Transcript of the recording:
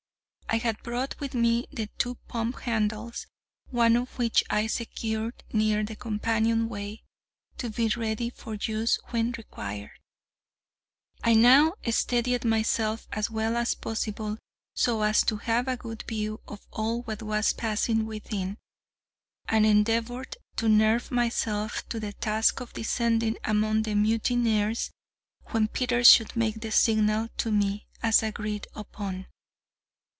I had brought with me the two pump handles, one of which I secured near the companion way, to be ready for use when required. I now steadied myself as well as possible so as to have a good view of all that was passing within, and endeavoured to nerve myself to the task of descending among the mutineers when Peters should make a signal to me, as agreed upon.